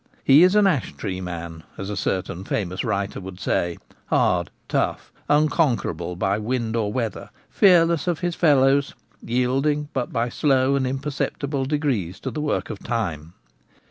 He is an ash tree man, as a certain famous writer would say; hard, tough, unconquerable by wind or weather, fearless of his fellows, yielding but by slow and imperceptible degrees to the work of time.